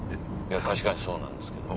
確かにそうなんですけど。